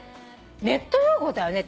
ネット用語だよね？